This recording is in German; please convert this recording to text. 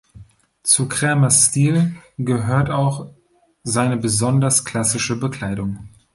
Zu Krämers Stil gehört auch seine besonders klassische Bekleidung.